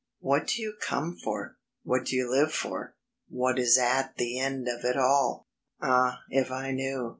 What do you come for? What do you live for? What is at the end of it all?" "Ah, if I knew